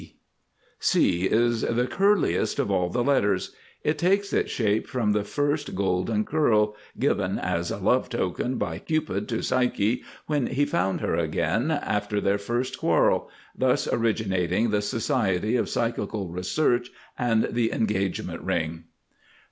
C [Illustration: C] is the curliest of all the letters. It takes its shape from the first golden curl, given as a Love Token by Cupid to Psyche, when he found her again, after their first quarrel, thus originating the Society of Psychical Research and the Engagement Ring.